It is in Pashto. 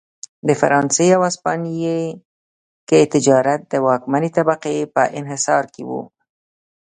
په فرانسې او هسپانیا کې تجارت د واکمنې طبقې په انحصار کې و.